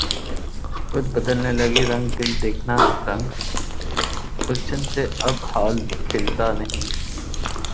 رت بدلنے لگی رنگ دل دیکھنا رنگ گلشن سے اب حال کھلتا نہیں